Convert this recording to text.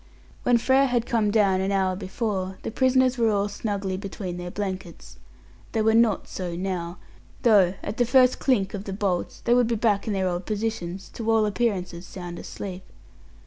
When Frere had come down, an hour before, the prisoners were all snugly between their blankets. They were not so now; though, at the first clink of the bolts, they would be back again in their old positions, to all appearances sound asleep.